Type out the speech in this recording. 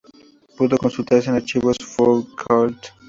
Pudo consultarse en los Archivos Foucault.